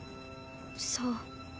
そう。